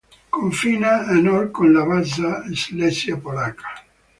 Confina a nord con la Bassa Slesia polacca.